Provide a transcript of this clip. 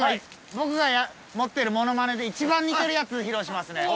僕が持ってるモノマネで一番似てるやつ披露しますね